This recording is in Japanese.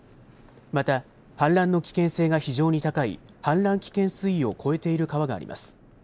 また氾濫の危険性が非常に高い氾濫危険水位を超えている川があります。